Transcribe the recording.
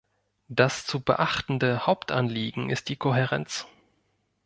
Das zu beachtende Hauptanliegen ist die Kohärenz.